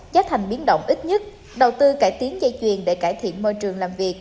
giá thành biến động ít nhất đầu tư cải tiến dây chuyền để cải thiện môi trường làm việc